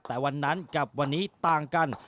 แต่วันนั้นกับวันนี้ต่างกัน